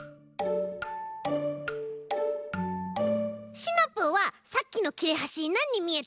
シナプーはさっきのきれはしなんにみえた？